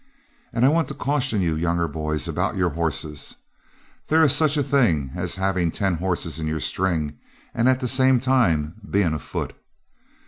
And I want to caution you younger boys about your horses; there is such a thing as having ten horses in your string, and at the same time being afoot.